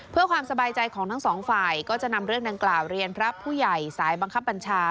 เพื่อความสบายใจของทั้งสองฝ่ายก็จะนำเรื่องดังกล่าวเรียนพระผู้ใหญ่สายบังคับบัญชา